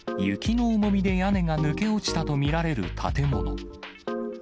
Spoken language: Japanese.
雪の重みで屋根が抜け落ちたと見られる建物。